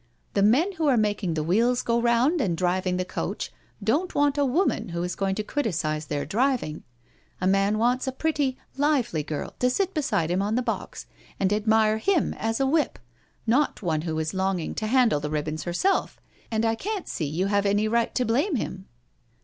" The men who are making the wheels go round and driving the coach don't want a woman who is going to criticise their driving. A man wants a pretty, lively girl to sit beside him on the box, and admire him as a whip, not one who is longing to handle the ribbons herself, and I can't see you have any right to blame him?"